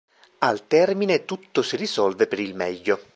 Al termine tutto si risolve per il meglio.